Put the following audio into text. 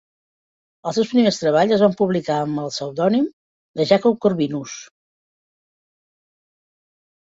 Els seus primers treballs es van publicar amb el pseudònim de Jakob Corvinus.